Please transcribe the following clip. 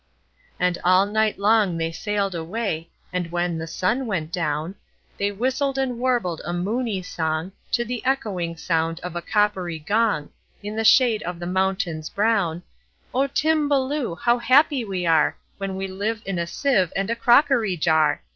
And all night long they sail'd away; And, when the sun went down, They whistled and warbled a moony songTo the echoing sound of a coppery gong, In the shade of the mountains brown,"O Timballoo! how happy we areWhen we live in a sieve and a crockery jar!